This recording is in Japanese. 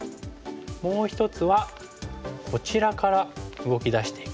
もう一つはこちらから動き出していく。